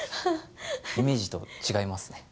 イメージと違いますね